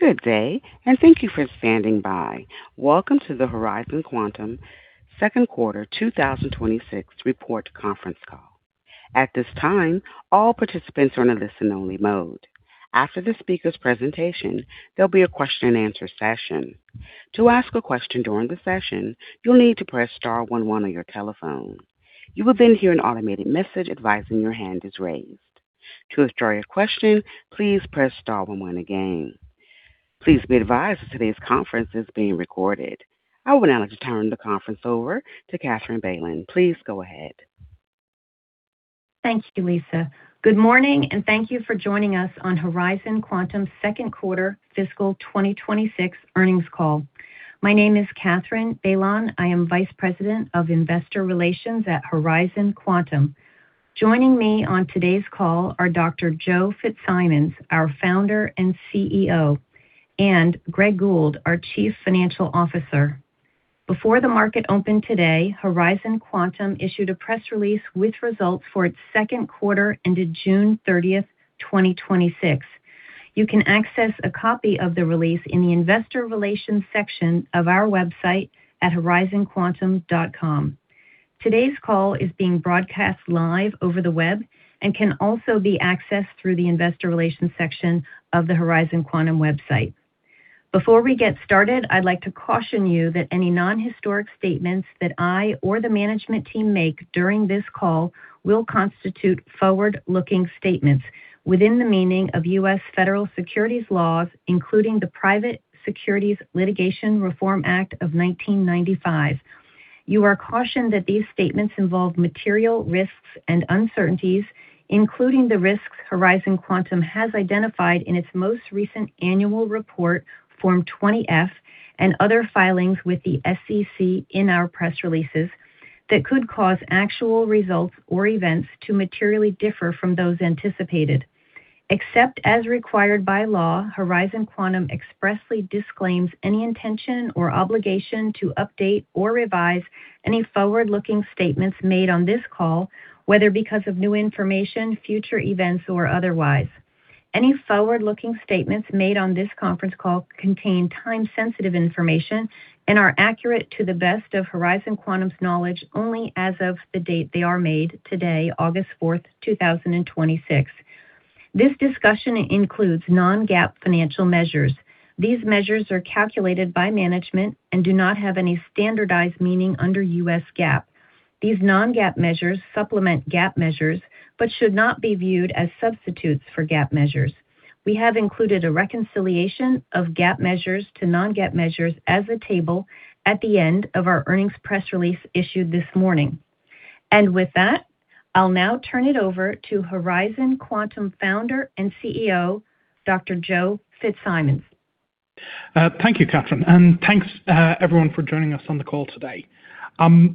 Good day. Thank you for standing by. Welcome to the Horizon Quantum second quarter 2026 report conference call. At this time, all participants are in a listen only mode. After the speaker's presentation, there'll be a question and answer session. To ask a question during the session, you'll need to press star one one on your telephone. You will then hear an automated message advising your hand is raised. To withdraw your question, please press star one one again. Please be advised today's conference is being recorded. I would now like to turn the conference over to Katherine Bailon. Please go ahead. Thank you, Lisa. Good morning. Thank you for joining us on Horizon Quantum's second quarter fiscal 2026 earnings call. My name is Katherine Bailon. I am Vice President of Investor Relations at Horizon Quantum. Joining me on today's call are Dr. Joe Fitzsimons, our Founder and CEO, and Greg Gould, our Chief Financial Officer. Before the market opened today, Horizon Quantum issued a press release with results for its second quarter ended June 30th, 2026. You can access a copy of the release in the investor relations section of our website at horizonquantum.com. Today's call is being broadcast live over the web and can also be accessed through the investor relations section of the Horizon Quantum website. Before we get started, I'd like to caution you that any non-historic statements that I or the management team make during this call will constitute forward-looking statements within the meaning of U.S. Federal securities laws, including the Private Securities Litigation Reform Act of 1995. You are cautioned that these statements involve material risks and uncertainties, including the risks Horizon Quantum has identified in its most recent annual report, Form 20-F, and other filings with the SEC in our press releases, that could cause actual results or events to materially differ from those anticipated. Except as required by law, Horizon Quantum expressly disclaims any intention or obligation to update or revise any forward-looking statements made on this call, whether because of new information, future events, or otherwise. Any forward-looking statements made on this conference call contain time-sensitive information and are accurate to the best of Horizon Quantum's knowledge only as of the date they are made today, August 4th, 2026. This discussion includes non-GAAP financial measures. These measures are calculated by management and do not have any standardized meaning under U.S. GAAP. These non-GAAP measures supplement GAAP measures but should not be viewed as substitutes for GAAP measures. We have included a reconciliation of GAAP measures to non-GAAP measures as a table at the end of our earnings press release issued this morning. With that, I'll now turn it over to Horizon Quantum Founder and CEO, Dr. Joe Fitzsimons. Thank you, Katherine. Thanks, everyone for joining us on the call today.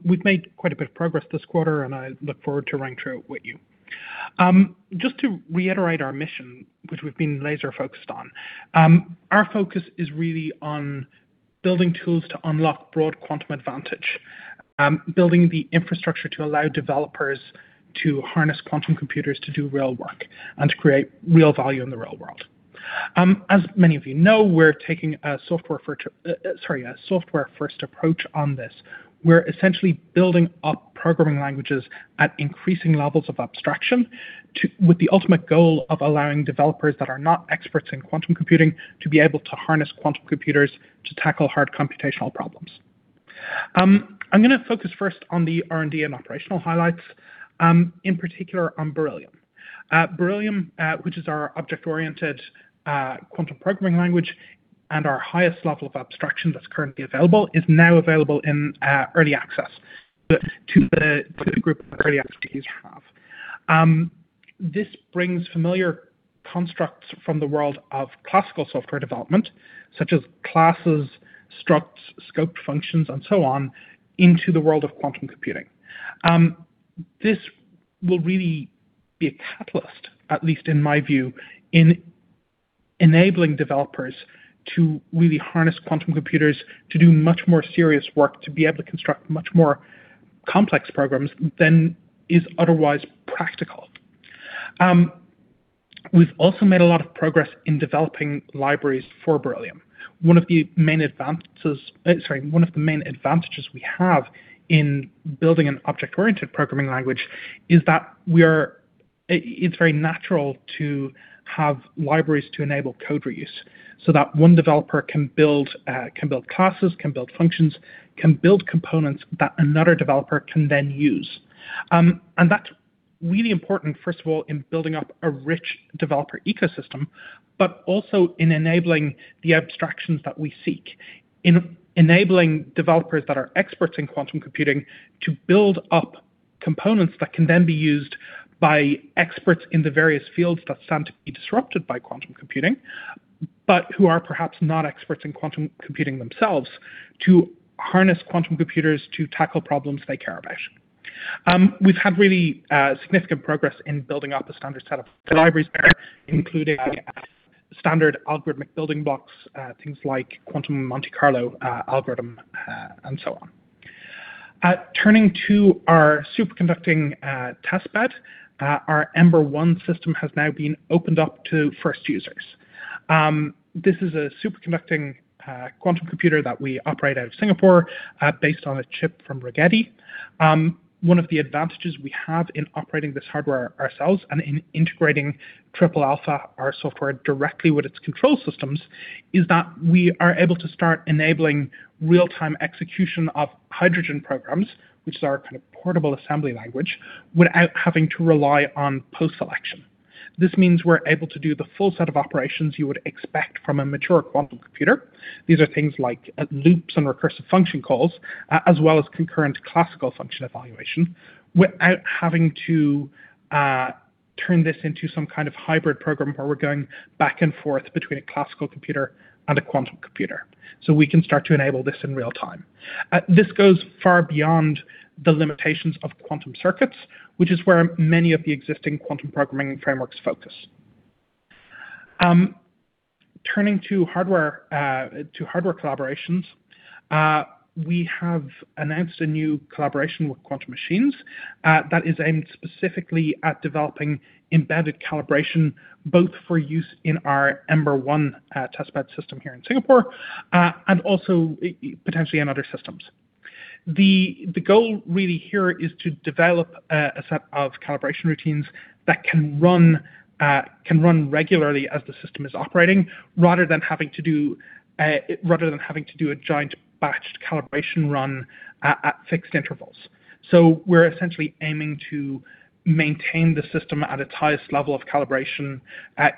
We've made quite a bit of progress this quarter. I look forward to running through it with you. Just to reiterate our mission, which we've been laser-focused on. Our focus is really on building tools to unlock broad quantum advantage, building the infrastructure to allow developers to harness quantum computers to do real work and to create real value in the real world. As many of you know, we're taking a software first approach on this. We're essentially building up programming languages at increasing levels of abstraction with the ultimate goal of allowing developers that are not experts in quantum computing to be able to harness quantum computers to tackle hard computational problems. I'm going to focus first on the R&D and operational highlights, in particular on Beryllium. Beryllium, which is our object-oriented quantum programming language, our highest level of abstraction that's currently available, is now available in early access to the group that early access have. This brings familiar constructs from the world of classical software development, such as classes, structs, scoped functions, so on, into the world of quantum computing. This will really be a catalyst, at least in my view, in enabling developers to really harness quantum computers to do much more serious work, to be able to construct much more complex programs than is otherwise practical. We've also made a lot of progress in developing libraries for Beryllium. One of the main advantages we have in building an object-oriented programming language is that it's very natural to have libraries to enable code reuse so that one developer can build classes, can build functions, can build components that another developer can then use. That's really important, first of all, in building up a rich developer ecosystem, also in enabling the abstractions that we seek, in enabling developers that are experts in quantum computing to build up components that can then be used by experts in the various fields that stand to be disrupted by quantum computing, who are perhaps not experts in quantum computing themselves, to harness quantum computers to tackle problems they care about. We've had really significant progress in building up a standard set of libraries there, including standard algorithmic building blocks, things like quantum Monte Carlo algorithm, so on. Turning to our superconducting testbed, our Ember-1 system has now been opened up to first users. This is a superconducting quantum computer that we operate out of Singapore based on a chip from Rigetti. One of the advantages we have in operating this hardware ourselves in integrating Triple Alpha, our software directly with its control systems, is that we are able to start enabling real-time execution of Hydrogen programs, which is our kind of portable assembly language, without having to rely on post-selection. This means we're able to do the full set of operations you would expect from a mature quantum computer. These are things like loops and recursive function calls, as well as concurrent classical function evaluation, without having to turn this into some kind of hybrid program where we're going back and forth between a classical computer and a quantum computer. We can start to enable this in real time. This goes far beyond the limitations of quantum circuits, which is where many of the existing quantum programming frameworks focus. Turning to hardware collaborations, we have announced a new collaboration with Quantum Machines, that is aimed specifically at developing embedded calibration, both for use in our Ember-1 testbed system here in Singapore, and also potentially in other systems. The goal really here is to develop a set of calibration routines that can run regularly as the system is operating, rather than having to do a giant batched calibration run at fixed intervals. We're essentially aiming to maintain the system at its highest level of calibration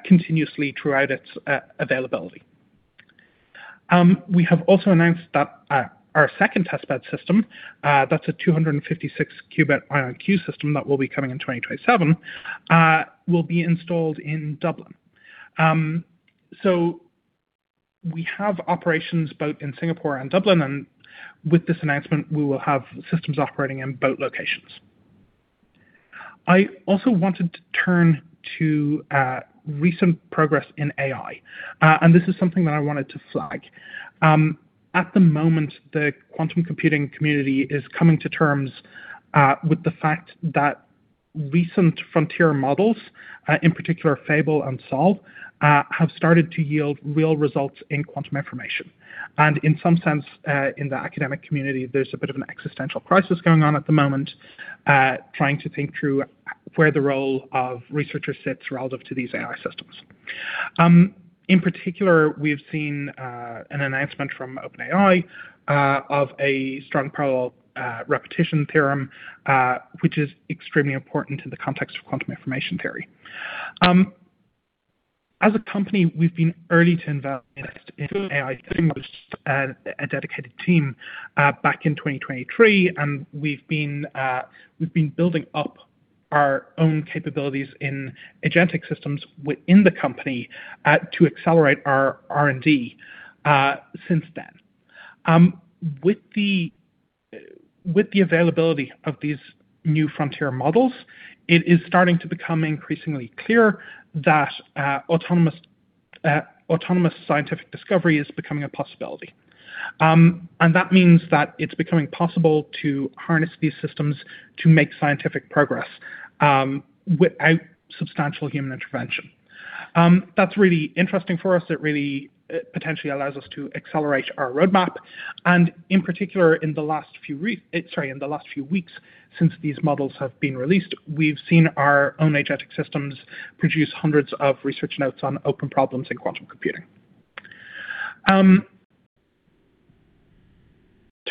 continuously throughout its availability. We have also announced that our second testbed system, that's a 256 qubit IonQ system that will be coming in 2027, will be installed in Dublin. We have operations both in Singapore and Dublin, and with this announcement, we will have systems operating in both locations. I also wanted to turn to recent progress in AI, this is something that I wanted to flag. At the moment, the quantum computing community is coming to terms with the fact that recent frontier models, in particular FABLE and Solve, have started to yield real results in quantum information. In some sense, in the academic community, there's a bit of an existential crisis going on at the moment, trying to think through where the role of researchers sits relative to these AI systems. In particular, we have seen an announcement from OpenAI of a strong parallel repetition theorem, which is extremely important in the context of quantum information theory. As a company, we've been early to invest in AI systems and a dedicated team back in 2023, we've been building up our own capabilities in agentic systems within the company to accelerate our R&D since then. With the availability of these new frontier models, it is starting to become increasingly clear that autonomous scientific discovery is becoming a possibility. That means that it's becoming possible to harness these systems to make scientific progress without substantial human intervention. That's really interesting for us. It really potentially allows us to accelerate our roadmap. In particular, in the last few weeks since these models have been released, we've seen our own agentic systems produce hundreds of research notes on open problems in quantum computing.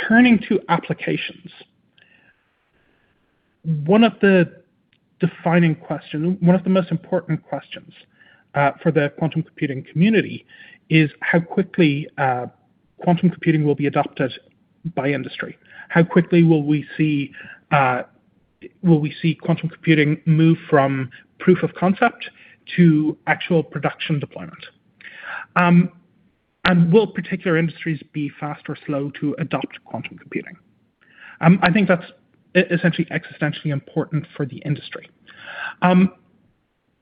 Turning to applications, one of the defining questions, one of the most important questions for the quantum computing community is how quickly quantum computing will be adopted by industry. How quickly will we see quantum computing move from proof of concept to actual production deployment? Will particular industries be fast or slow to adopt quantum computing? I think that's essentially existentially important for the industry.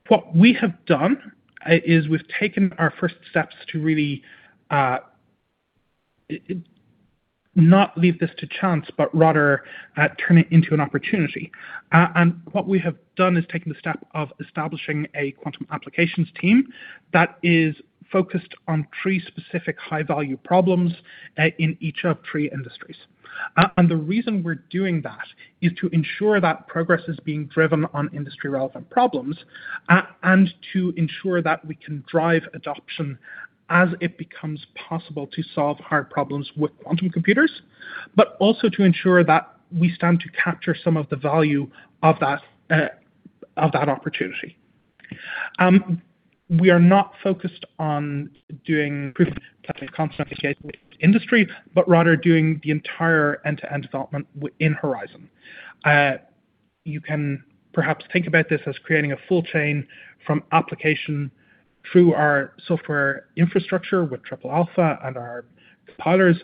What we have done is we've taken our first steps to really not leave this to chance, but rather turn it into an opportunity. What we have done is taken the step of establishing a quantum applications team that is focused on three specific high-value problems in each of three industries. The reason we're doing that is to ensure that progress is being driven on industry-relevant problems, and to ensure that we can drive adoption as it becomes possible to solve hard problems with quantum computers, but also to ensure that we stand to capture some of the value of that opportunity. We are not focused on doing proof of concept application with industry, but rather doing the entire end-to-end development within Horizon. You can perhaps think about this as creating a full chain from application through our software infrastructure with Triple Alpha and our compilers,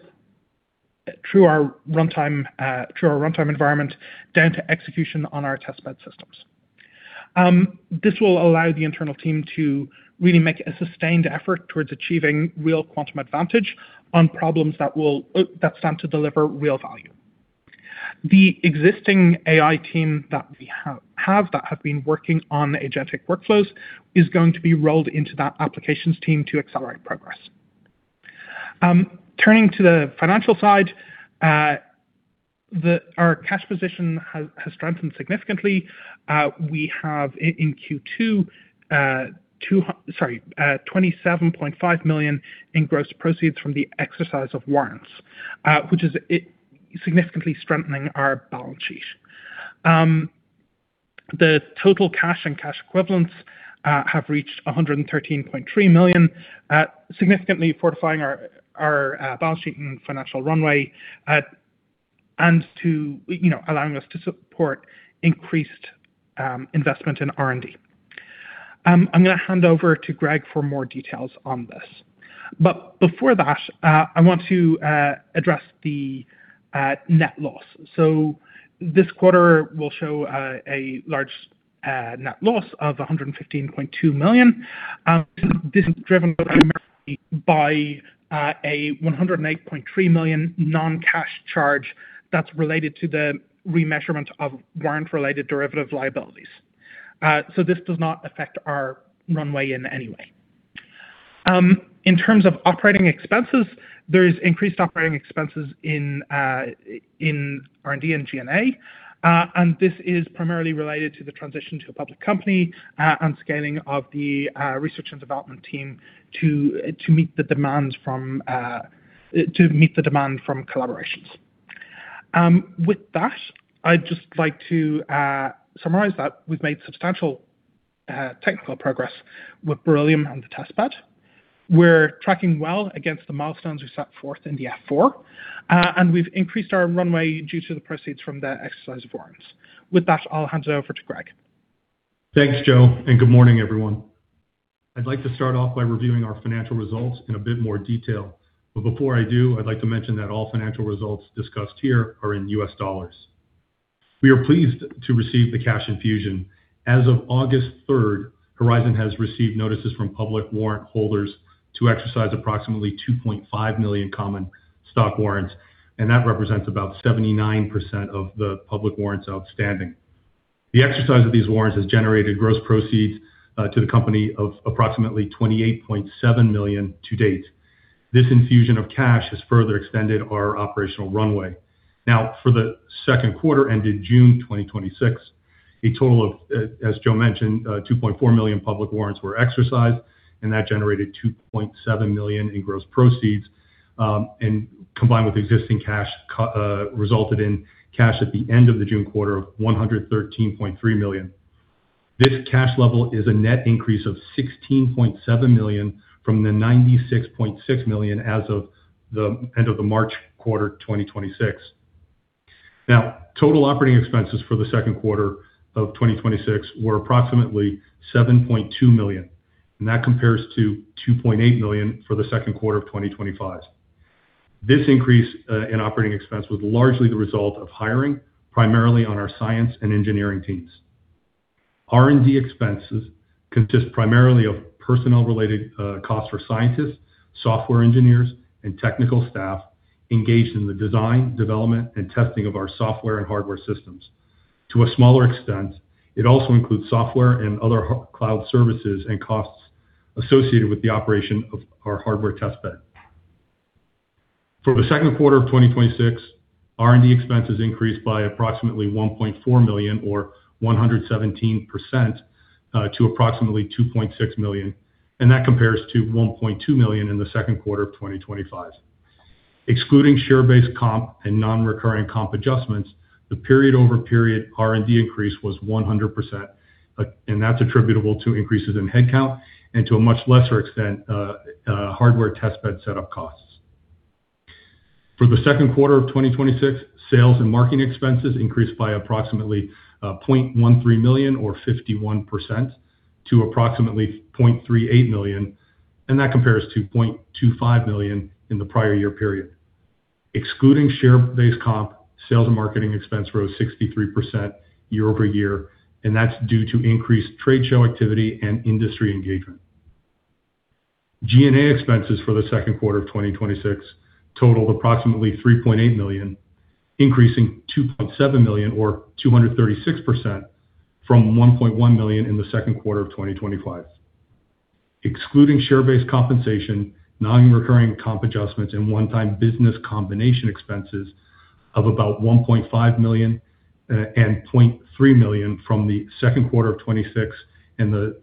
through our runtime environment, down to execution on our testbed systems. This will allow the internal team to really make a sustained effort towards achieving real quantum advantage on problems that stand to deliver real value. The existing AI team that we have that have been working on agentic workflows is going to be rolled into that applications team to accelerate progress. Turning to the financial side, our cash position has strengthened significantly. We have in Q2, $27.5 million in gross proceeds from the exercise of warrants, which is significantly strengthening our balance sheet. The total cash and cash equivalents have reached $113.3 million, significantly fortifying our balance sheet and financial runway, and allowing us to support increased investment in R&D. I'm going to hand over to Greg for more details on this. Before that, I want to address the net loss. This quarter will show a large net loss of $115.2 million, and this is driven primarily by $108.3 million non-cash charge that's related to the remeasurement of warrant-related derivative liabilities. This does not affect our runway in any way. In terms of operating expenses, there's increased operating expenses in R&D and G&A. This is primarily related to the transition to a public company and scaling of the research and development team to meet the demand from collaborations. With that, I'd just like to summarize that we've made substantial technical progress with Beryllium and the testbed. We're tracking well against the milestones we set forth in the F-4, and we've increased our runway due to the proceeds from the exercise of warrants. With that, I'll hand it over to Greg. Thanks, Joe, and good morning, everyone. I'd like to start off by reviewing our financial results in a bit more detail. Before I do, I'd like to mention that all financial results discussed here are in US dollars. We are pleased to receive the cash infusion. As of August 3rd, Horizon has received notices from public warrant holders to exercise approximately $2.5 million common stock warrants, and that represents about 79% of the public warrants outstanding. The exercise of these warrants has generated gross proceeds to the company of approximately $28.7 million to date. This infusion of cash has further extended our operational runway. For the second quarter ended June 2026, a total of, as Joe mentioned, $2.4 million public warrants were exercised, and that generated $2.7 million in gross proceeds, and combined with existing cash, resulted in cash at the end of the June quarter of $113.3 million. This cash level is a net increase of $16.7 million from the $96.6 million as of the end of the March quarter 2026. Total operating expenses for the second quarter of 2026 were approximately $7.2 million, and that compares to $2.8 million for the second quarter of 2025. This increase in operating expense was largely the result of hiring, primarily on our science and engineering teams. R&D expenses consist primarily of personnel-related costs for scientists, software engineers, and technical staff engaged in the design, development, and testing of our software and hardware systems. To a smaller extent, it also includes software and other cloud services and costs associated with the operation of our hardware testbed. For the second quarter of 2026, R&D expenses increased by approximately $1.4 million or 117% to approximately $2.6 million, and that compares to $1.2 million in the second quarter of 2025. Excluding share-based comp and non-recurring comp adjustments, the period-over-period R&D increase was 100%, and that's attributable to increases in headcount and to a much lesser extent, hardware testbed set up costs. For the second quarter of 2026, sales and marketing expenses increased by approximately $0.13 million or 51% to approximately $0.38 million, and that compares to $0.25 million in the prior year period. Excluding share-based comp, sales and marketing expense rose 63% year-over-year, and that's due to increased trade show activity and industry engagement. G&A expenses for the second quarter of 2026 totaled approximately $3.8 million, increasing $2.7 million or 236% from $1.1 million in the second quarter of 2025. Excluding share-based compensation, non-recurring comp adjustments and one-time business combination expenses of about $1.5 million and $0.3 million from the second quarter of 2026 and the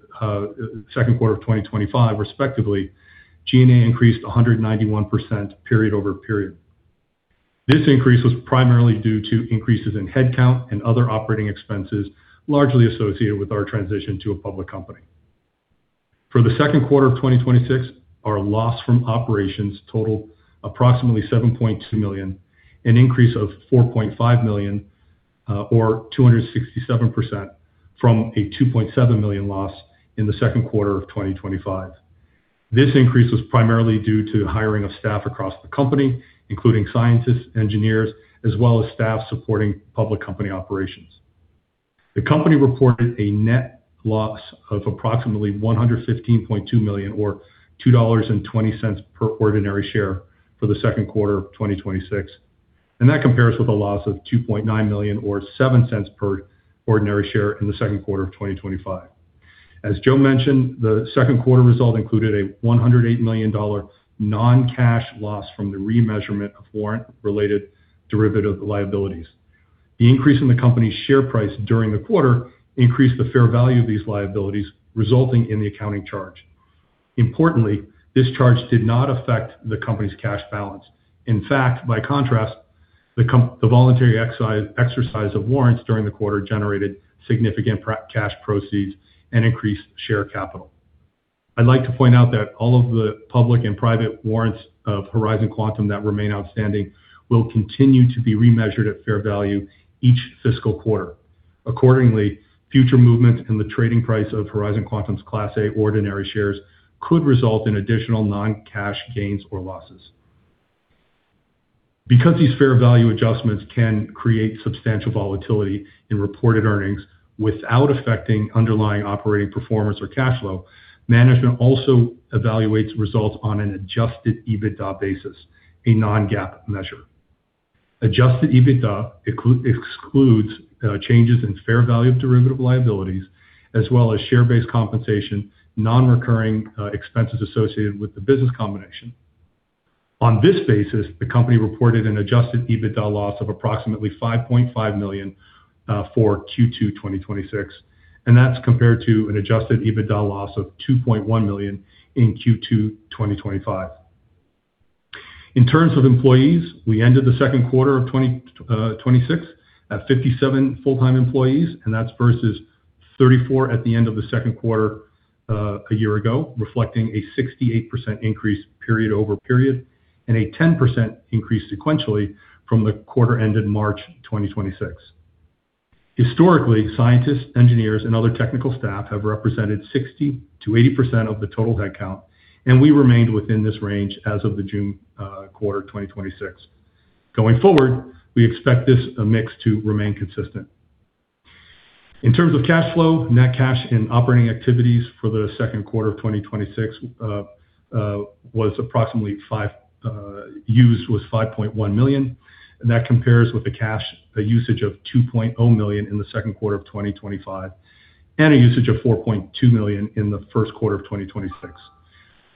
second quarter of 2025, respectively, G&A increased 191% period-over-period. This increase was primarily due to increases in headcount and other operating expenses, largely associated with our transition to a public company. For the second quarter of 2026, our loss from operations totaled approximately $7.2 million, an increase of $4.5 million or 267% from a $2.7 million loss in the second quarter of 2025. This increase was primarily due to hiring of staff across the company, including scientists, engineers, as well as staff supporting public company operations. The company reported a net loss of approximately $115.2 million, or $2.20 per ordinary share for the second quarter of 2026, and that compares with a loss of $2.9 million or $0.07 per ordinary share in the second quarter of 2025. As Joe mentioned, the second quarter result included a $108 million non-cash loss from the remeasurement of warrant-related derivative liabilities. The increase in the company's share price during the quarter increased the fair value of these liabilities, resulting in the accounting charge. Importantly, this charge did not affect the company's cash balance. In fact, by contrast, the voluntary exercise of warrants during the quarter generated significant cash proceeds and increased share capital. I'd like to point out that all of the public and private warrants of Horizon Quantum that remain outstanding will continue to be remeasured at fair value each fiscal quarter. Accordingly, future movements in the trading price of Horizon Quantum's Class A ordinary shares could result in additional non-cash gains or losses. Because these fair value adjustments can create substantial volatility in reported earnings without affecting underlying operating performance or cash flow, management also evaluates results on an adjusted EBITDA basis, a non-GAAP measure. Adjusted EBITDA excludes changes in fair value of derivative liabilities as well as share-based compensation, non-recurring expenses associated with the business combination. On this basis, the company reported an adjusted EBITDA loss of approximately $5.5 million for Q2 2026, that's compared to an adjusted EBITDA loss of $2.1 million in Q2 2025. In terms of employees, we ended the second quarter of 2026 at 57 full-time employees, that's versus 34 at the end of the second quarter a year ago, reflecting a 68% increase period-over-period and a 10% increase sequentially from the quarter ended March 2026. Historically, scientists, engineers, and other technical staff have represented 60%-80% of the total headcount, and we remained within this range as of the June quarter 2026. Going forward, we expect this mix to remain consistent. In terms of cash flow, net cash in operating activities for the second quarter of 2026 used was approximately $5.1 million, that compares with the cash usage of $2.0 million in the second quarter of 2025 and a usage of $4.2 million in the first quarter of 2026.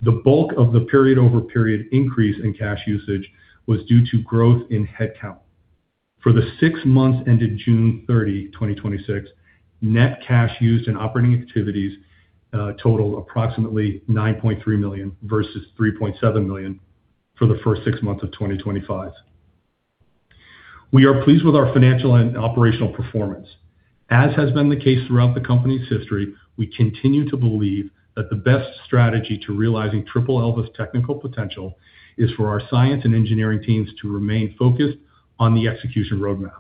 The bulk of the period-over-period increase in cash usage was due to growth in headcount. For the six months ended June 30, 2026, net cash used in operating activities totaled approximately $9.3 million versus $3.7 million for the first six months of 2025. We are pleased with our financial and operational performance. As has been the case throughout the company's history, we continue to believe that the best strategy to realizing Triple Alpha's technical potential is for our science and engineering teams to remain focused on the execution roadmap.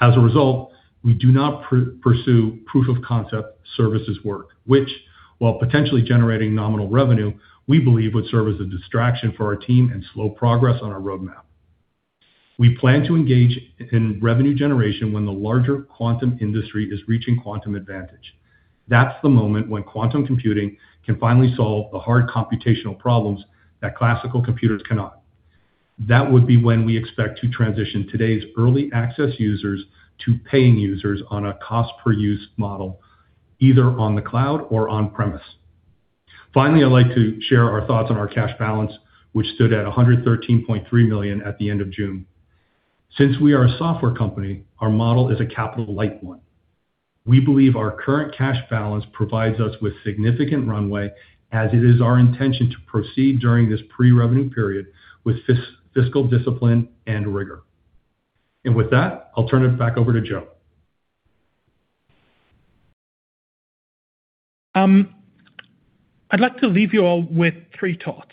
As a result, we do not pursue proof-of-concept services work, which while potentially generating nominal revenue, we believe would serve as a distraction for our team and slow progress on our roadmap. We plan to engage in revenue generation when the larger quantum industry is reaching quantum advantage. That's the moment when quantum computing can finally solve the hard computational problems that classical computers cannot. That would be when we expect to transition today's early access users to paying users on a cost-per-use model, either on the cloud or on-premise. Finally, I'd like to share our thoughts on our cash balance, which stood at $113.3 million at the end of June. Since we are a software company, our model is a capital-light one. We believe our current cash balance provides us with significant runway as it is our intention to proceed during this pre-revenue period with fiscal discipline and rigor. With that, I'll turn it back over to Joe. I'd like to leave you all with three thoughts.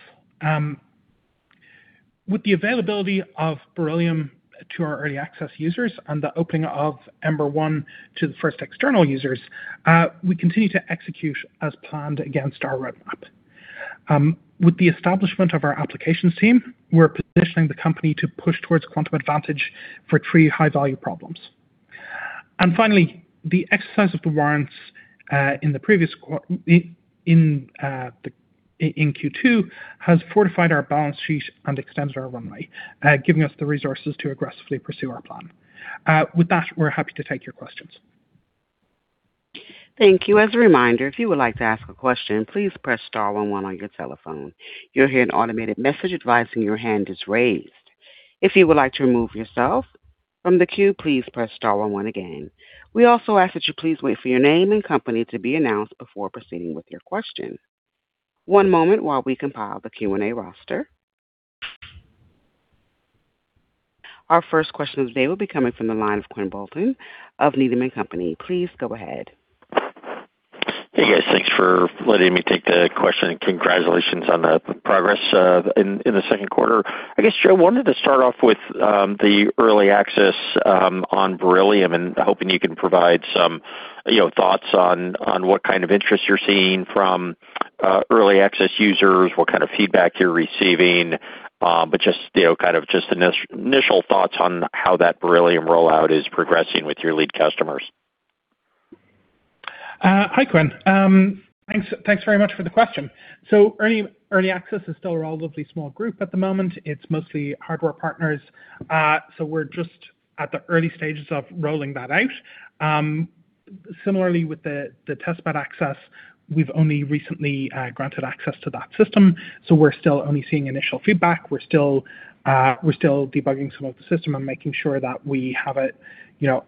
With the availability of Beryllium to our early access users and the opening of Ember-1 to the first external users, we continue to execute as planned against our roadmap. With the establishment of our applications team, we're positioning the company to push towards quantum advantage for three high-value problems. Finally, the exercise of the warrants in Q2 has fortified our balance sheet and extended our runway, giving us the resources to aggressively pursue our plan. With that, we're happy to take your questions. Thank you. As a reminder, if you would like to ask a question, please press star one one on your telephone. You'll hear an automated message advising your hand is raised. If you would like to remove yourself from the queue, please press star one one again. We also ask that you please wait for your name and company to be announced before proceeding with your question. One moment while we compile the Q&A roster. Our first question today will be coming from the line of Quinn Bolton of Needham & Company. Please go ahead. Hey, guys. Thanks for letting me take the question, congratulations on the progress in the second quarter. I guess, Joe, wanted to start off with the early access on Beryllium, hoping you can provide some thoughts on what kind of interest you're seeing from early access users, what kind of feedback you're receiving, but just initial thoughts on how that Beryllium rollout is progressing with your lead customers. Hi, Quinn. Thanks very much for the question. Early access is still a relatively small group at the moment. It's mostly hardware partners. We're just at the early stages of rolling that out. Similarly with the testbed access, we've only recently granted access to that system, we're still only seeing initial feedback. We're still debugging some of the system and making sure that we have it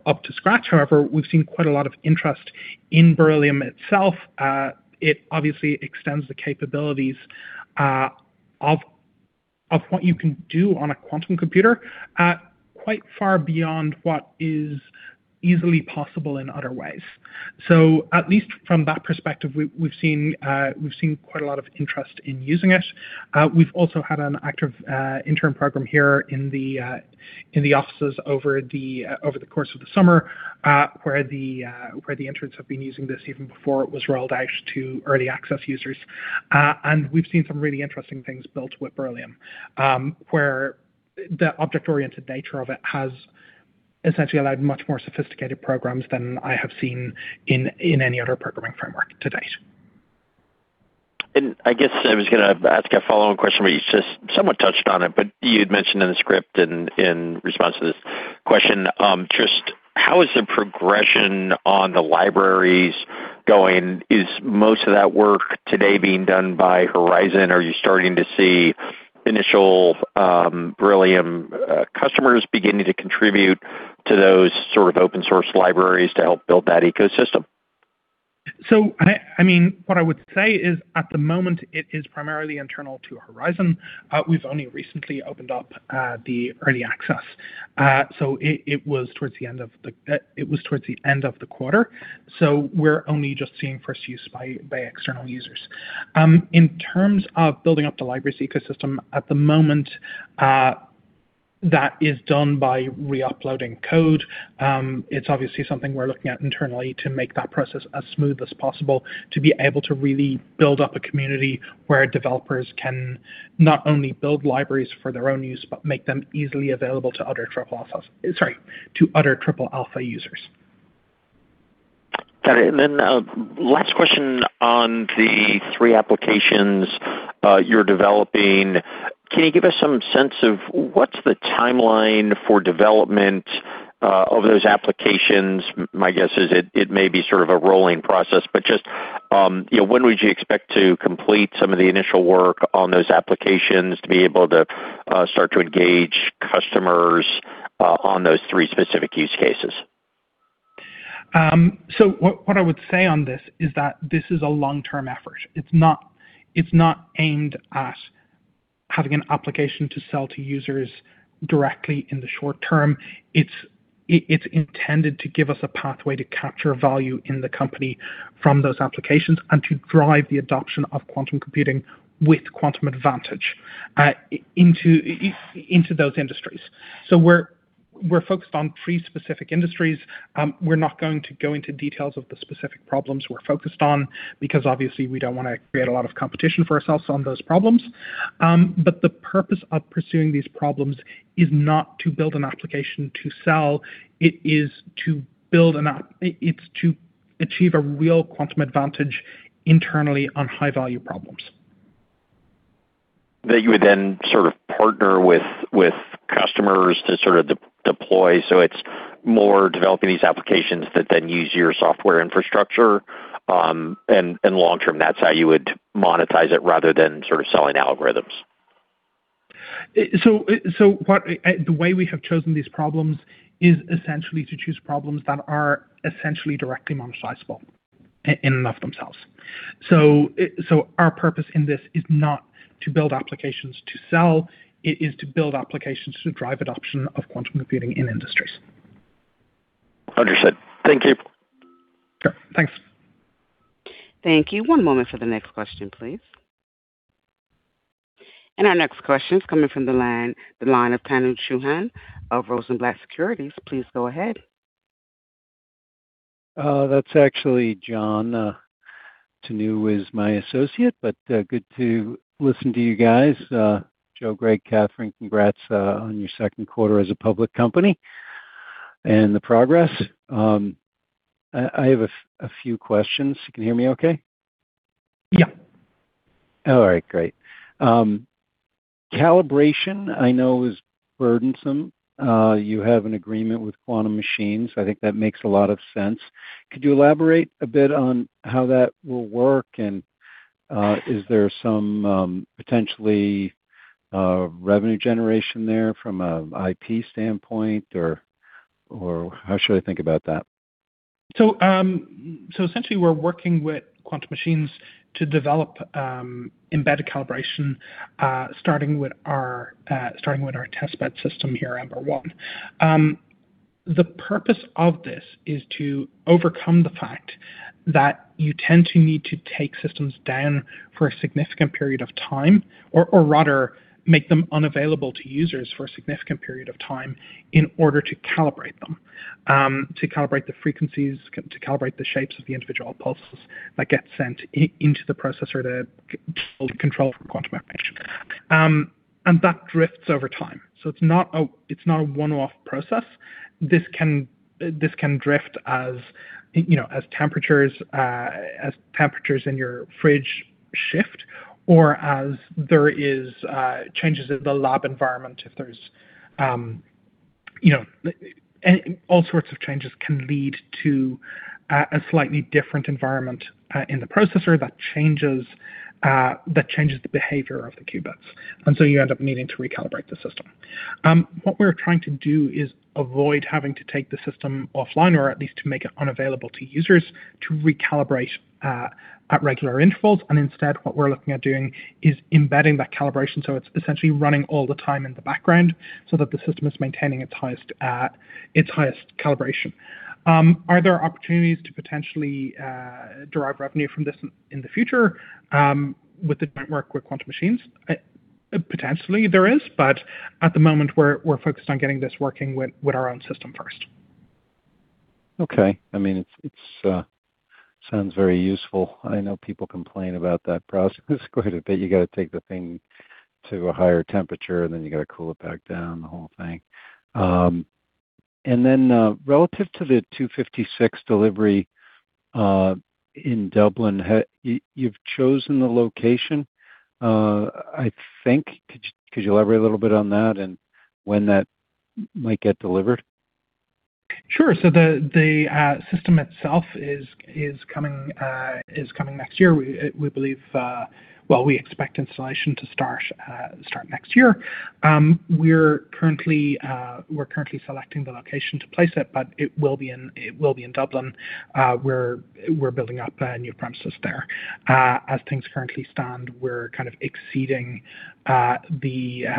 up to scratch. However, we've seen quite a lot of interest in Beryllium itself. It obviously extends the capabilities of what you can do on a quantum computer at quite far beyond what is easily possible in other ways. At least from that perspective, we've seen quite a lot of interest in using it. We've also had an active intern program here in the offices over the course of the summer, where the interns have been using this even before it was rolled out to early access users. We've seen some really interesting things built with Beryllium, where the object-oriented nature of it has essentially allowed much more sophisticated programs than I have seen in any other programming framework to date. I guess I was going to ask a follow-on question, but you just somewhat touched on it, but you had mentioned in the script and in response to this question, just how is the progression on the libraries going? Is most of that work today being done by Horizon? Are you starting to see initial Beryllium customers beginning to contribute to those sort of open source libraries to help build that ecosystem? What I would say is at the moment, it is primarily internal to Horizon. We've only recently opened up the early access. It was towards the end of the quarter, so we're only just seeing first use by external users. In terms of building up the library's ecosystem, at the moment, that is done by re-uploading code. It's obviously something we're looking at internally to make that process as smooth as possible, to be able to really build up a community where developers can not only build libraries for their own use, but make them easily available to other Triple Alpha users. Got it. Then last question on the three applications you're developing. Can you give us some sense of what's the timeline for development of those applications? My guess is it may be sort of a rolling process, but just when would you expect to complete some of the initial work on those applications to be able to start to engage customers on those three specific use cases? What I would say on this is that this is a long-term effort. It is not aimed at having an application to sell to users directly in the short term. It is intended to give us a pathway to capture value in the company from those applications and to drive the adoption of quantum computing with quantum advantage into those industries. We are focused on three specific industries. We are not going to go into details of the specific problems we are focused on because obviously we do not want to create a lot of competition for ourselves on those problems. The purpose of pursuing these problems is not to build an application to sell. It is to achieve a real quantum advantage internally on high-value problems. That you would then sort of partner with customers to sort of deploy. It is more developing these applications that then use your software infrastructure, and long-term, that is how you would monetize it rather than sort of selling algorithms. The way we have chosen these problems is essentially to choose problems that are essentially directly monetizable in and of themselves. Our purpose in this is not to build applications to sell. It is to build applications to drive adoption of quantum computing in industries. Understood. Thank you. Sure. Thanks. Thank you. One moment for the next question, please. Our next question is coming from the line of Tanu Chauhan of Rosenblatt Securities. Please go ahead. That's actually John. Tanu is my associate, but good to listen to you guys. Joe, Greg, Katherine, congrats on your second quarter as a public company and the progress. I have a few questions. You can hear me okay? Yeah. All right, great. Calibration I know is burdensome. You have an agreement with Quantum Machines. I think that makes a lot of sense. Could you elaborate a bit on how that will work, and is there some potentially revenue generation there from an IP standpoint, or how should I think about that? Essentially, we're working with Quantum Machines to develop embedded calibration, starting with our testbed system here, Ember-1. The purpose of this is to overcome the fact that you tend to need to take systems down for a significant period of time, or rather, make them unavailable to users for a significant period of time in order to calibrate them, to calibrate the frequencies, to calibrate the shapes of the individual pulses that get sent into the processor to control quantum operation. That drifts over time. It's not a one-off process. This can drift as temperatures in your fridge shift or as there is changes in the lab environment. All sorts of changes can lead to a slightly different environment in the processor that changes the behavior of the qubits. You end up needing to recalibrate the system. What we're trying to do is avoid having to take the system offline, or at least to make it unavailable to users to recalibrate at regular intervals. Instead, what we're looking at doing is embedding that calibration so it's essentially running all the time in the background so that the system is maintaining its highest calibration. Are there opportunities to potentially derive revenue from this in the future with the network with Quantum Machines? Potentially there is, but at the moment, we're focused on getting this working with our own system first. Okay. It sounds very useful. I know people complain about that process quite a bit. You got to take the thing to a higher temperature, and then you got to cool it back down, the whole thing. Then, relative to the 256 delivery in Dublin, you've chosen the location, I think. Could you elaborate a little bit on that and when that might get delivered? Sure. The system itself is coming next year. We expect installation to start next year. We're currently selecting the location to place it, but it will be in Dublin. We're building up a new premises there. As things currently stand, we're kind of exceeding the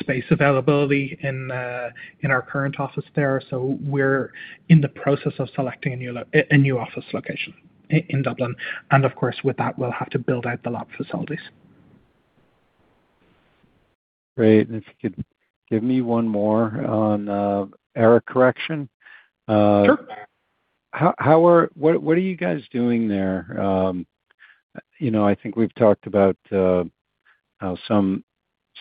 space availability in our current office there, so we're in the process of selecting a new office location in Dublin. Of course, with that, we'll have to build out the lab facilities. Great. If you could give me one more on error correction. Sure. What are you guys doing there? I think we've talked about how some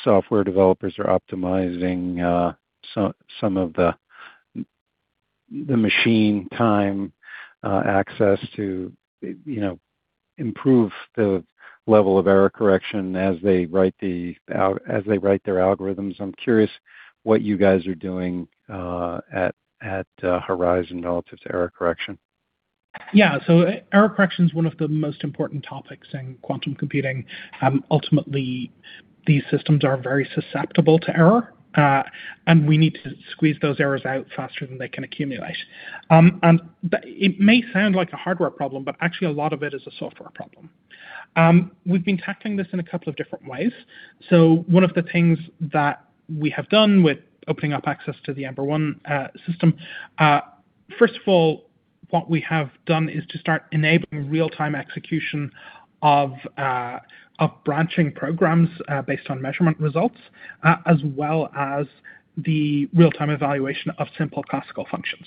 software developers are optimizing some of the machine time access to improve the level of error correction as they write their algorithms. I'm curious what you guys are doing at Horizon relative to error correction. Yeah. Error correction is one of the most important topics in quantum computing. Ultimately, these systems are very susceptible to error, we need to squeeze those errors out faster than they can accumulate. It may sound like a hardware problem, but actually a lot of it is a software problem. We've been tackling this in a couple of different ways. One of the things that we have done with opening up access to the Ember-1 system, first of all, what we have done is to start enabling real-time execution of branching programs based on measurement results, as well as the real-time evaluation of simple classical functions.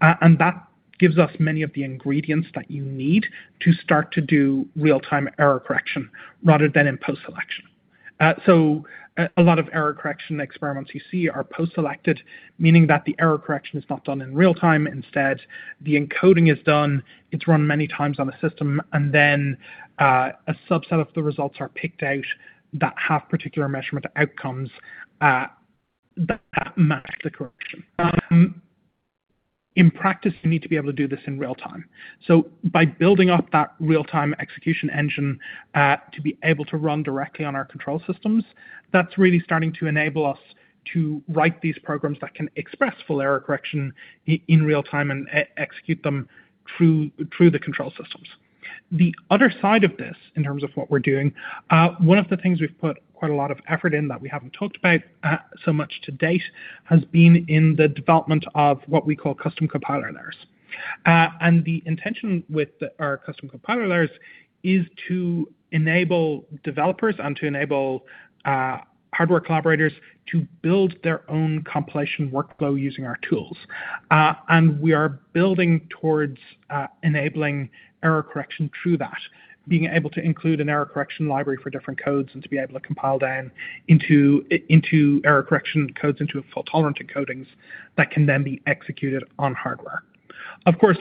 That gives us many of the ingredients that you need to start to do real-time error correction rather than in post-selection. A lot of error correction experiments you see are post-selected, meaning that the error correction is not done in real-time. Instead, the encoding is done, it's run many times on a system, and then a subset of the results are picked out that have particular measurement outcomes that match the correction. In practice, you need to be able to do this in real-time. By building up that real-time execution engine to be able to run directly on our control systems, that's really starting to enable us to write these programs that can express full error correction in real-time and execute them through the control systems. The other side of this, in terms of what we're doing, one of the things we've put quite a lot of effort in that we haven't talked about so much to date has been in the development of what we call custom compilers. The intention with our custom compilers is to enable developers and to enable hardware collaborators to build their own compilation workflow using our tools. We are building towards enabling error correction through that, being able to include an error correction library for different codes and to be able to compile down into error correction codes into fault-tolerant encodings that can then be executed on hardware. Of course,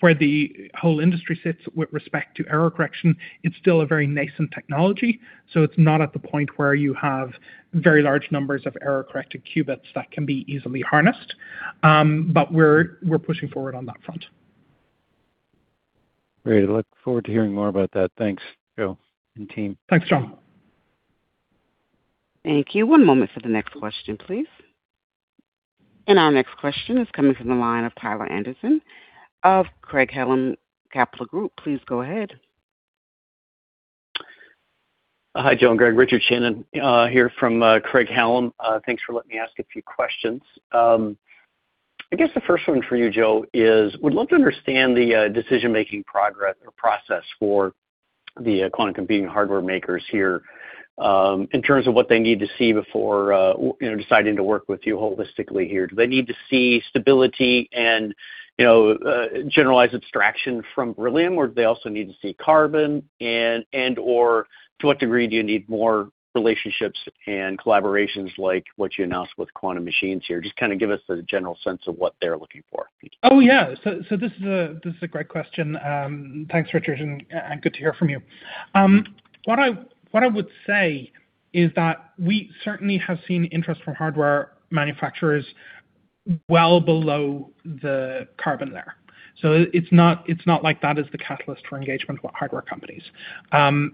where the whole industry sits with respect to error correction, it's still a very nascent technology, so it's not at the point where you have very large numbers of error-corrected qubits that can be easily harnessed, but we're pushing forward on that front. Great. Look forward to hearing more about that. Thanks, Joe and team. Thanks, John. Thank you. One moment for the next question, please. Our next question is coming from the line of Tyler Anderson of Craig-Hallum Capital Group. Please go ahead. Hi, Joe and Greg. Richard Shannon here from Craig-Hallum. Thanks for letting me ask a few questions. I guess the first one for you, Joe, is we'd love to understand the decision-making progress or process for the quantum computing hardware makers here in terms of what they need to see before deciding to work with you holistically here. Do they need to see stability and generalized abstraction from Beryllium, or do they also need to see Carbon, and/or to what degree do you need more relationships and collaborations like what you announced with Quantum Machines here? Just give us the general sense of what they're looking for. Oh, yeah. This is a great question. Thanks, Richard, and good to hear from you. What I would say is that we certainly have seen interest from hardware manufacturers well below the Carbon layer. It's not like that is the catalyst for engagement with hardware companies.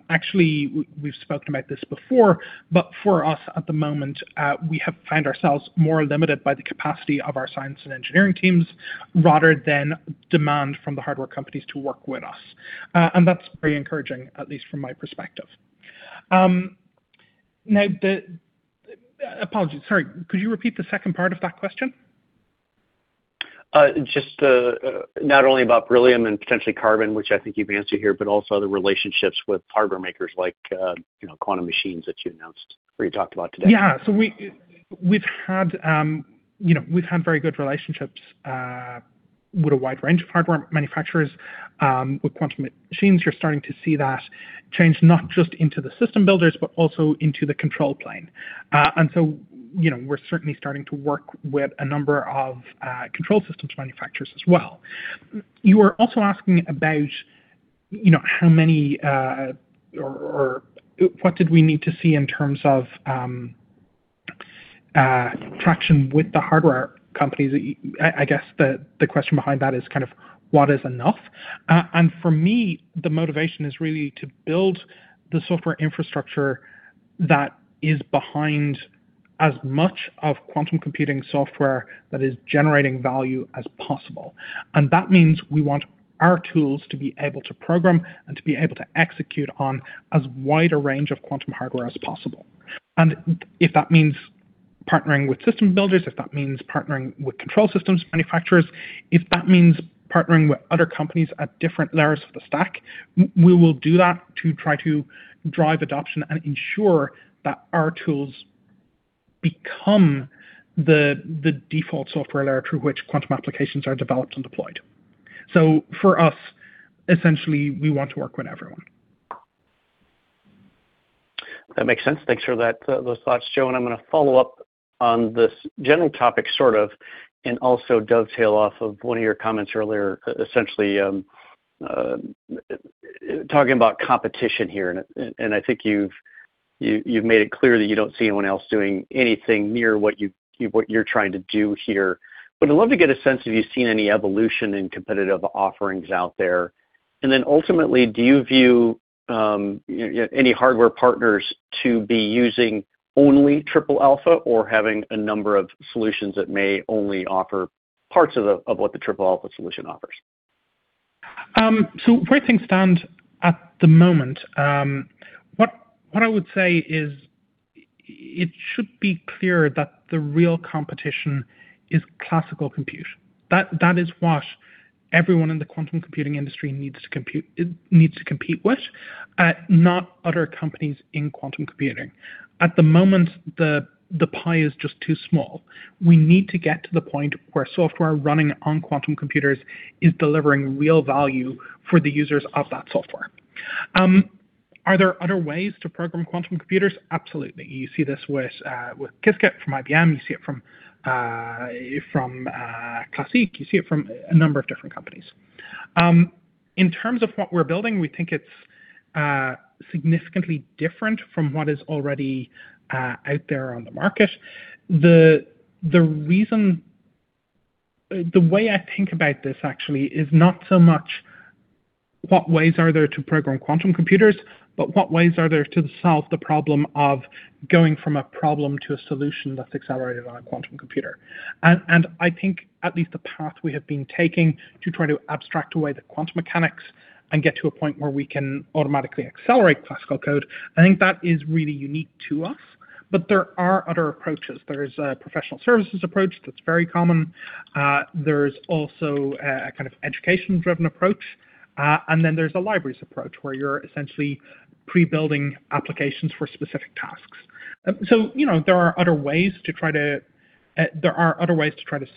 Actually, we've spoken about this before, but for us at the moment, we have found ourselves more limited by the capacity of our science and engineering teams rather than demand from the hardware companies to work with us. That's very encouraging, at least from my perspective. Now, apologies. Sorry, could you repeat the second part of that question? Just not only about Beryllium and potentially Carbon, which I think you've answered here, but also the relationships with hardware makers like Quantum Machines that you announced or you talked about today. Yeah. We've had very good relationships with a wide range of hardware manufacturers. With Quantum Machines, you're starting to see that change, not just into the system builders, but also into the control plane. We're certainly starting to work with a number of control systems manufacturers as well. You were also asking about how many or what did we need to see in terms of traction with the hardware companies. I guess the question behind that is what is enough? For me, the motivation is really to build the software infrastructure that is behind as much of quantum computing software that is generating value as possible. That means we want our tools to be able to program and to be able to execute on as wide a range of quantum hardware as possible. If that means partnering with system builders, if that means partnering with control systems manufacturers, if that means partnering with other companies at different layers of the stack, we will do that to try to drive adoption and ensure that our tools become the default software layer through which quantum applications are developed and deployed. For us, essentially, we want to work with everyone. That makes sense. Thanks for those thoughts, Joe. I'm going to follow up on this general topic, sort of, and also dovetail off of one of your comments earlier, essentially talking about competition here. I think you've made it clear that you don't see anyone else doing anything near what you're trying to do here. I'd love to get a sense if you've seen any evolution in competitive offerings out there. Then ultimately, do you view any hardware partners to be using only Triple Alpha or having a number of solutions that may only offer parts of what the Triple Alpha solution offers? Where things stand at the moment, what I would say is it should be clear that the real competition is classical compute. That is what everyone in the quantum computing industry needs to compete with, not other companies in quantum computing. At the moment, the pie is just too small. We need to get to the point where software running on quantum computers is delivering real value for the users of that software. Are there other ways to program quantum computers? Absolutely. You see this with Qiskit from IBM, you see it from Classiq, you see it from a number of different companies. In terms of what we're building, we think it's significantly different from what is already out there on the market. The way I think about this actually is not so much what ways are there to program quantum computers, but what ways are there to solve the problem of going from a problem to a solution that's accelerated on a quantum computer. I think, at least the path we have been taking to try to abstract away the quantum mechanics and get to a point where we can automatically accelerate classical code, I think that is really unique to us, but there are other approaches. There's a professional services approach that's very common. There's also a kind of education-driven approach. Then there's a libraries approach, where you're essentially pre-building applications for specific tasks. There are other ways to try to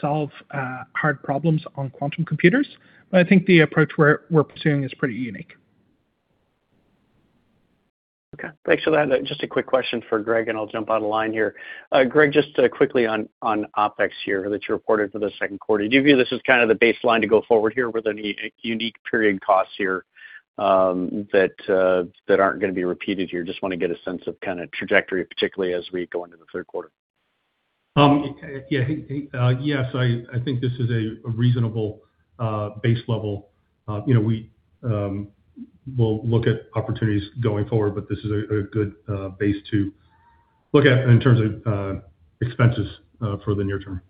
solve hard problems on quantum computers, but I think the approach we're pursuing is pretty unique. Okay. Thanks for that. Just a quick question for Greg, and I'll jump out of line here. Greg, just quickly on OpEx here that you reported for the second quarter. Do you view this as kind of the baseline to go forward here? Were there any unique period costs here that aren't going to be repeated here? Just want to get a sense of kind of trajectory, particularly as we go into the third quarter. Yeah. I think this is a reasonable base level. We'll look at opportunities going forward, but this is a good base to look at in terms of expenses for the near term.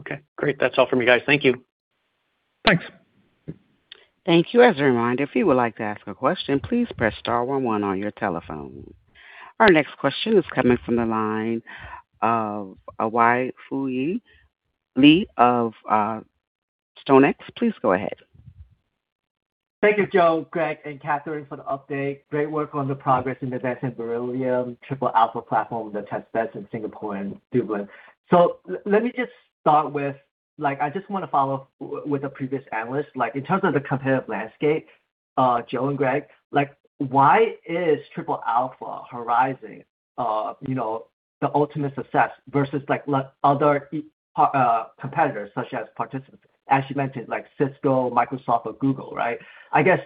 Okay, great. That's all from me, guys. Thank you. Thanks. Thank you. As a reminder, if you would like to ask a question, please press star one one on your telephone. Our next question is coming from the line of [Wai Lee of StoneX]. Please go ahead. Thank you, Joe, Greg, and Katherine for the update. Great work on the progress in the [inaudible] and Beryllium Triple Alpha platforms, the test beds in Singapore and Dublin. Let me just start with, I just want to follow up with a previous analyst. In terms of the competitive landscape, Joe and Greg, why is Triple Alpha Horizon the ultimate success versus other competitors, such as participants, as you mentioned, like Cisco, Microsoft, or Google, right? I guess,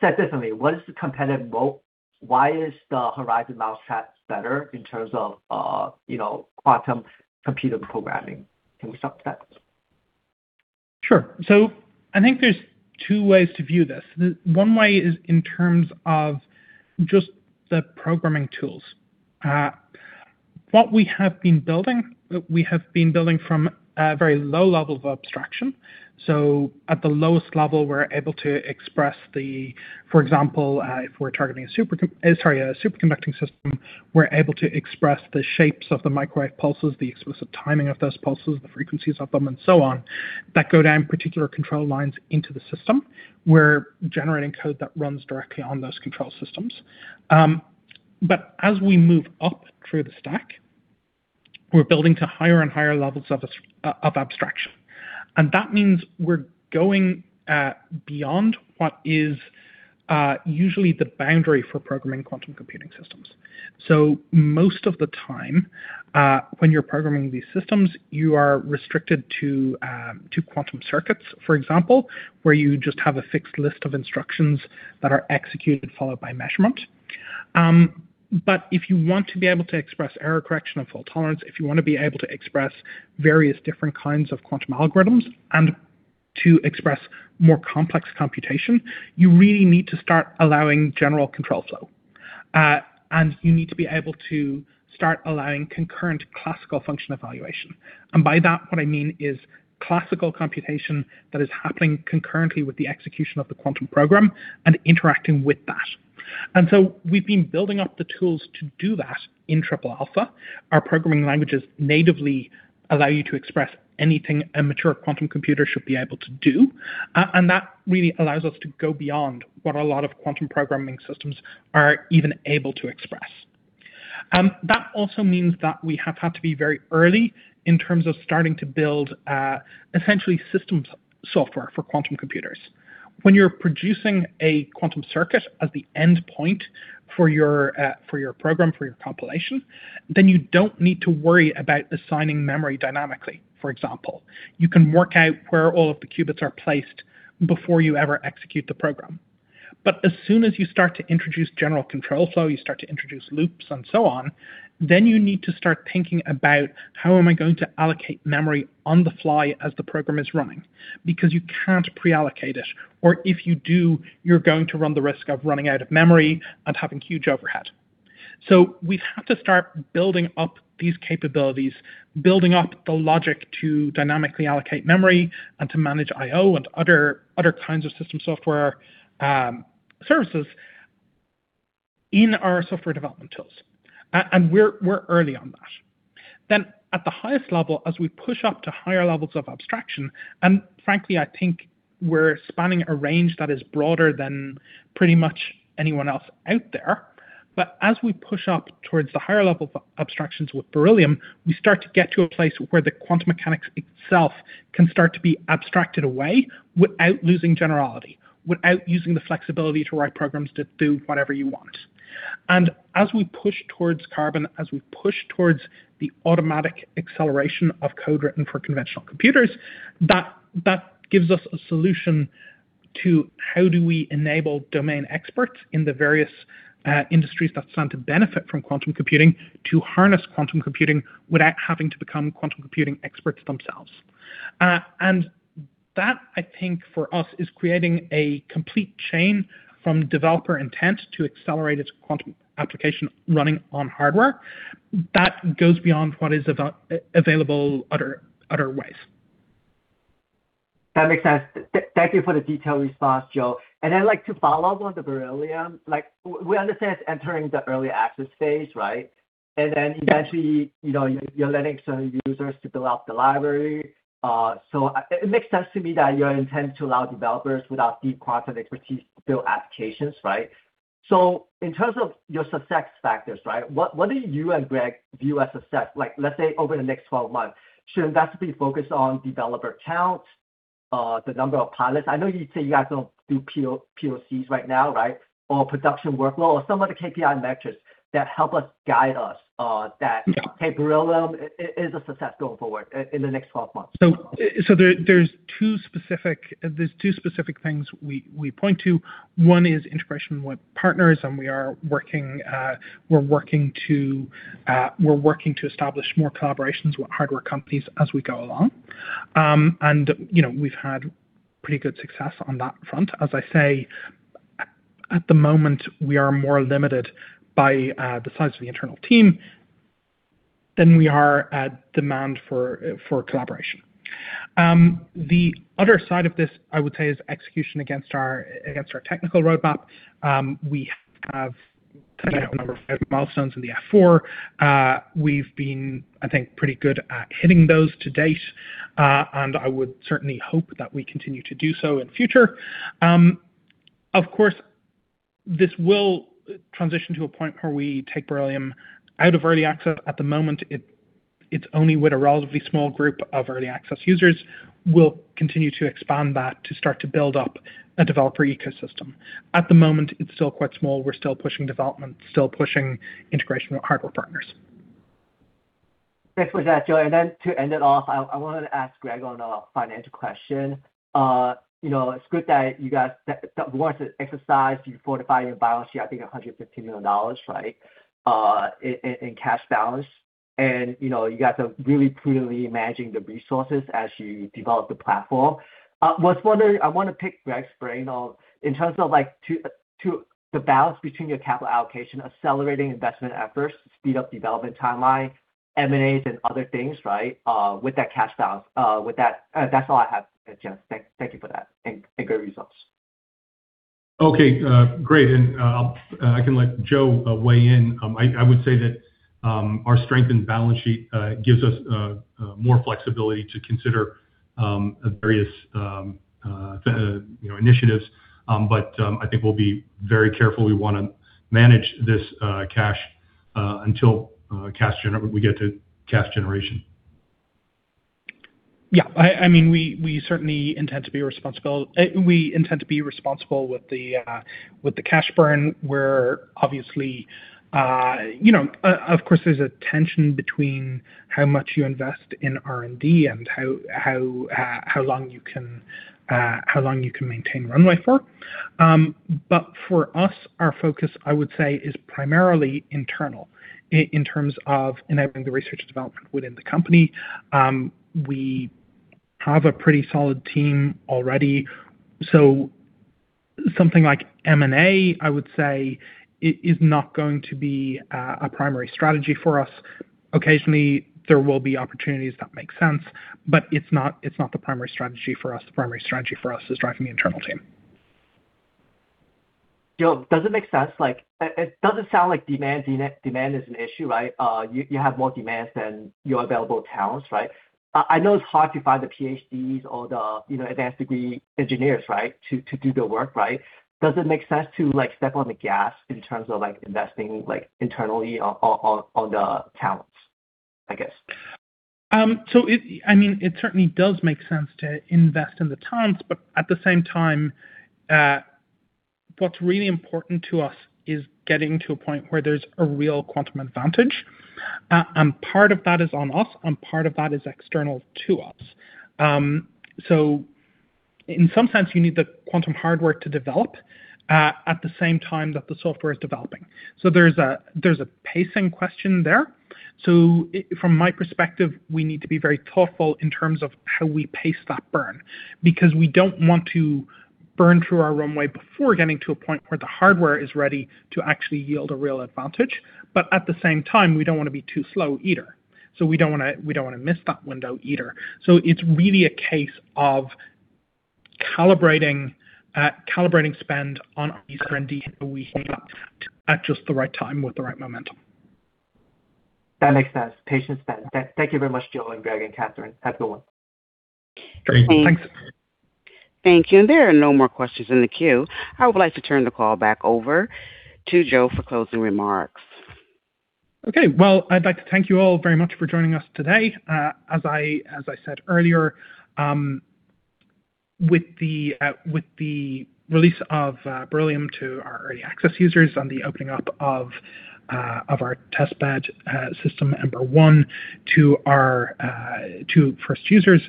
said differently, what is the competitive moat? Why is the Horizon mindset better in terms of quantum computer programming? Can we start with that? Sure. I think there's two ways to view this. One way is in terms of just the programming tools. What we have been building, we have been building from a very low level of abstraction. At the lowest level, we're able to express the, for example, if we're targeting a superconducting system, we're able to express the shapes of the microwave pulses, the explicit timing of those pulses, the frequencies of them, and so on, that go down particular control lines into the system. We're generating code that runs directly on those control systems. As we move up through the stack, we're building to higher and higher levels of abstraction. That means we're going beyond what is usually the boundary for programming quantum computing systems. Most of the time, when you're programming these systems, you are restricted to quantum circuits, for example, where you just have a fixed list of instructions that are executed, followed by measurement. If you want to be able to express error correction and fault tolerance, if you want to be able to express various different kinds of quantum algorithms and to express more complex computation, you really need to start allowing general control flow. You need to be able to start allowing concurrent classical function evaluation. By that, what I mean is classical computation that is happening concurrently with the execution of the quantum program and interacting with that. We've been building up the tools to do that in Triple Alpha. Our programming languages natively allow you to express anything a mature quantum computer should be able to do. That really allows us to go beyond what a lot of quantum programming systems are even able to express. That also means that we have had to be very early in terms of starting to build essentially systems software for quantum computers. When you're producing a quantum circuit as the end point for your program, for your compilation, then you don't need to worry about assigning memory dynamically, for example. You can work out where all of the qubits are placed before you ever execute the program. As soon as you start to introduce general control flow, you start to introduce loops and so on, then you need to start thinking about how am I going to allocate memory on the fly as the program is running, because you can't pre-allocate it, or if you do, you're going to run the risk of running out of memory and having huge overhead. We've had to start building up these capabilities, building up the logic to dynamically allocate memory and to manage IO and other kinds of system software services in our software development tools. We're early on that. At the highest level, as we push up to higher levels of abstraction, and frankly, I think we're spanning a range that is broader than pretty much anyone else out there. As we push up towards the higher level of abstractions with Beryllium, we start to get to a place where the quantum mechanics itself can start to be abstracted away without losing generality, without using the flexibility to write programs to do whatever you want. As we push towards Carbon, as we push towards the automatic acceleration of code written for conventional computers, that gives us a solution to how do we enable domain experts in the various industries that stand to benefit from quantum computing to harness quantum computing without having to become quantum computing experts themselves. That, I think, for us, is creating a complete chain from developer intent to accelerated quantum application running on hardware. That goes beyond what is available other ways. That makes sense. Thank you for the detailed response, Joe. I'd like to follow up on the Beryllium. We understand it's entering the early access phase, right? Then eventually, you're letting certain users to build out the library. It makes sense to me that your intent to allow developers without deep quantum expertise to build applications, right? In terms of your success factors, right, what do you and Greg view as success? Let's say over the next 12 months, should investors be focused on developer count, the number of pilots? I know you say you guys don't do POCs right now, right, or production workflow or some other KPI metrics that help us guide us that, hey, Beryllium is a success going forward in the next 12 months. There's two specific things we point to. One is integration with partners. We're working to establish more collaborations with hardware companies as we go along. We've had pretty good success on that front, as I say. At the moment, we are more limited by the size of the internal team than we are at demand for collaboration. The other side of this, I would say, is execution against our technical roadmap. We have set out a number of milestones in the F-4. We've been, I think, pretty good at hitting those to date. I would certainly hope that we continue to do so in future. Of course, this will transition to a point where we take Beryllium out of early access. At the moment, it's only with a relatively small group of early access users. We'll continue to expand that to start to build up a developer ecosystem. At the moment, it's still quite small. We're still pushing development, still pushing integration with hardware partners. Thanks for that, Joe. To end it off, I wanted to ask Greg on a financial question. It's good that you guys worked to exercise, you fortified your balance sheet, I think $115 million, right, in cash balance. You got to really prudently managing the resources as you develop the platform. I want to pick Greg's brain on in terms of the balance between your capital allocation, accelerating investment efforts to speed up development timeline, M&As, and other things, right, with that cash balance. That's all I have, gents. Thank you for that, and great results. Okay, great. I can let Joe weigh in. I would say that our strengthened balance sheet gives us more flexibility to consider various initiatives. I think we'll be very careful. We want to manage this cash until we get to cash generation. Yeah. We certainly intend to be responsible with the cash burn. Of course, there's a tension between how much you invest in R&D and how long you can maintain runway for. For us, our focus, I would say, is primarily internal in terms of enabling the research and development within the company. We have a pretty solid team already. Something like M&A, I would say, is not going to be a primary strategy for us. Occasionally, there will be opportunities that make sense, it's not the primary strategy for us. The primary strategy for us is driving the internal team. Joe, it doesn't sound like demand is an issue, right? You have more demands than your available talents, right? I know it's hard to find the PhDs or the advanced degree engineers, right, to do the work, right? Does it make sense to step on the gas in terms of investing internally on the talents, I guess? It certainly does make sense to invest in the talents, but at the same time, what's really important to us is getting to a point where there's a real quantum advantage. Part of that is on us, and part of that is external to us. In some sense, you need the quantum hardware to develop at the same time that the software is developing. There's a pacing question there. From my perspective, we need to be very thoughtful in terms of how we pace that burn because we don't want to burn through our runway before getting to a point where the hardware is ready to actually yield a real advantage. At the same time, we don't want to be too slow either. We don't want to miss that window either. It's really a case of calibrating spend on R&D so we hit that at just the right time with the right momentum. That makes sense. Patience. Thank you very much, Joe and Greg and Katherine. Have a good one. Great. Thanks. Thank you. There are no more questions in the queue. I would like to turn the call back over to Joe for closing remarks. Okay. Well, I'd like to thank you all very much for joining us today. As I said earlier, with the release of Beryllium to our early access users and the opening up of our testbed system, Ember-1, to first users,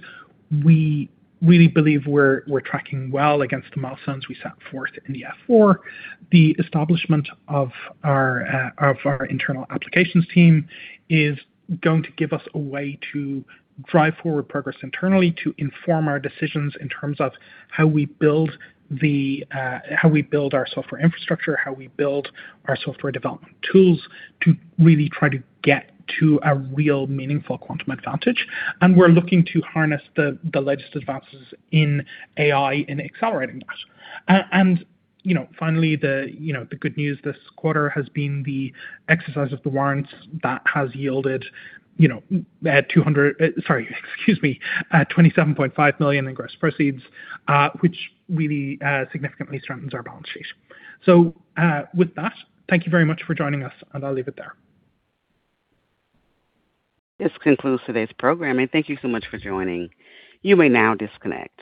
we really believe we're tracking well against the milestones we set forth in the F-4. The establishment of our internal applications team is going to give us a way to drive forward progress internally to inform our decisions in terms of how we build our software infrastructure, how we build our software development tools to really try to get to a real meaningful quantum advantage. We're looking to harness the latest advances in AI in accelerating that. Finally, the good news this quarter has been the exercise of the warrants that has yielded at Sorry, excuse me, at $27.5 million in gross proceeds, which really significantly strengthens our balance sheet. With that, thank you very much for joining us, and I'll leave it there. This concludes today's program, and thank you so much for joining. You may now disconnect.